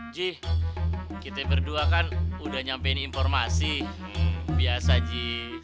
jih kita berdua kan udah nyampein informasi biasa ji